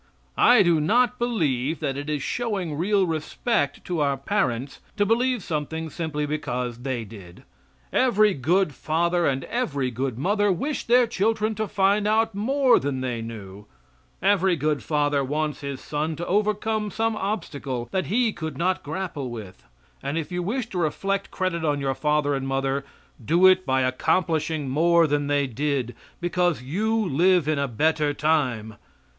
I do not believe that it is showing real respect to our parents to believe something simply because they did. Every good father and every good mother wish their children to find out more than they knew every good father wants his son to overcome some obstacle that he could not grapple with and if you wish to reflect credit on your father and mother, do it by accomplishing more than they did, because you live in a better time.